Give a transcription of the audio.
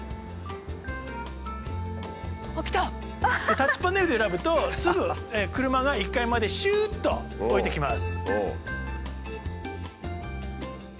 タッチパネルで選ぶとすぐ車が１階までシュッと降りてきます。